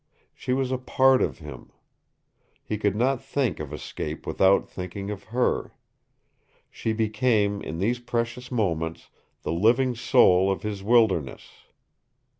She was a part of him. He could not think of escape without thinking of her. She became, in these precious moments, the living soul of his wilderness.